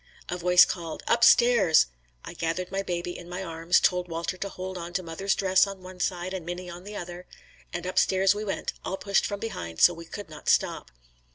A voice called, "Up stairs." I gathered my baby in my arms, told Walter to hold on to mother's dress on one side and Minnie on the other, and up stairs we went, all pushed from behind so we could not stop.